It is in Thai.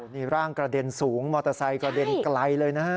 นี่ร่างกระเด็นสูงมอเตอร์ไซค์กระเด็นไกลเลยนะฮะ